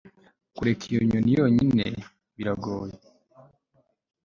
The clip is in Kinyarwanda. kureka iyo nyoni yonyine biragoye